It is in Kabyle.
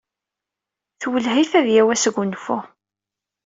Twelleh-it ad yawi asgunfu.